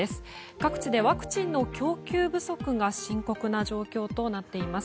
各地でワクチンの供給不足が深刻な状況となっています。